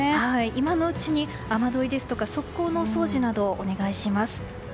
今のうちに雨どいですとか側溝のお掃除などをお願いします。